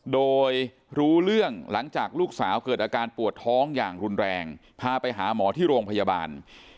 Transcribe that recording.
โดยรู้เรื่องหลังจากลูกสาวเกิดอาการปวดท้องอย่างรุนแรงพาไปหาหมอที่โรงพยาบาล